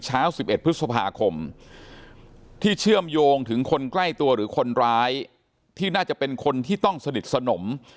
เช้า๑๑พฤษภาคมที่เชื่อมโยงถึงคนใกล้ตัวหรือคนร้ายที่น่าจะเป็นคนที่ต้องสนิทสนม